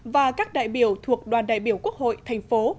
và các đại biểu thuộc đoàn đại biểu quốc hội thành phố